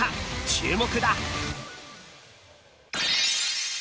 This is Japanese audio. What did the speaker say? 注目だ。